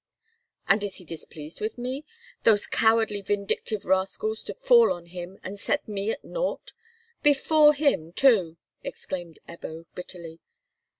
"And is he displeased with me? Those cowardly vindictive rascals, to fall on him, and set me at nought! Before him, too!" exclaimed Ebbo, bitterly.